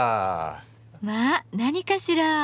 まあ何かしら？